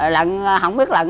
lận không biết lận